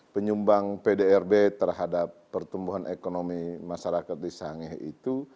penyumbang pdrb terhadap pertumbuhan ekonomi masyarakat di sangeh itu